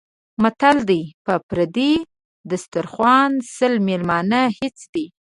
متل دی: په پردي دیسترخوا سل مېلمانه هېڅ دي.